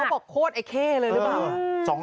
บอกโคตรไอ้เข้เลยหรือเปล่า